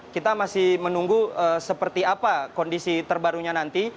kita masih menunggu seperti apa kondisi terbarunya nanti